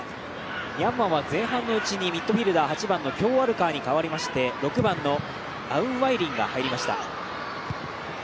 ミャンマーは前半のうちにミッドフィルダーがキョウアルカーに代わりまして６番のアウンワイリンが入りました。